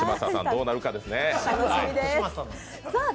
どうなるかですね。